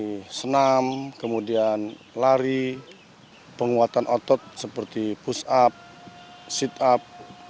mereka di alati senam kemudian lari penguatan otot seperti push up sit up